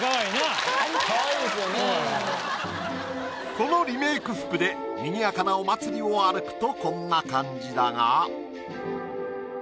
このリメイク服でにぎやかなお祭りを歩くとこんな感じだが。